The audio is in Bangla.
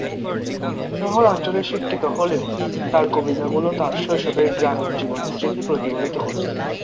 শহরাঞ্চলে শিক্ষিত হলেও তাঁর কবিতাগুলি তার শৈশবের গ্রামীণ জীবনের স্মৃতি প্রতিফলিত করে।